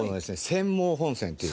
釧網本線っていう。